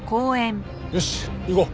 よし行こう。